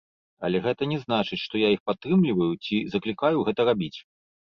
Але гэта не значыць, што я іх падтрымліваю ці заклікаю гэта рабіць.